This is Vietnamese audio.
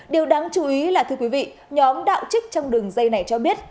điều đáng chú ý là thưa quý vị nhóm đạo trích trong đường dây này cho biết